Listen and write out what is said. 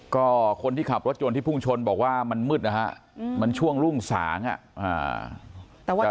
ก็คนที่ขับรถยนต์ที่พุ่งชนบอกว่ามันมืดนะฮะมันช่วงรุ่งสางอ่ะ